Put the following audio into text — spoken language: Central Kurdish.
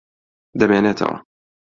دەمێنێتەوە.